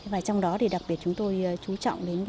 và trong đó thì đặc biệt chúng tôi chú trọng đến